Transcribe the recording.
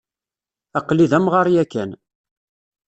Aql-i d amɣar yakan.